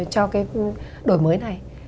cho cái đổi mới này